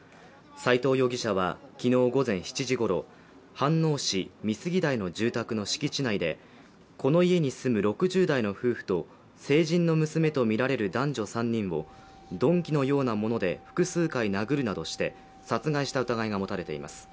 斎藤容疑者は昨日午前７時ごろ飯能市美杉台の住宅の敷地内でこの家に住む６０代の夫婦と成人の娘とみられる男女３人を鈍器のようなもので複数回殴るなどして、殺害した疑いが持たれています。